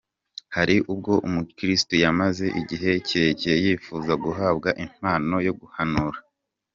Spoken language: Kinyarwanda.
Hari ubwo umukiristu yamaze igihe kirekire yifuza guhabwa impano yo guhanura.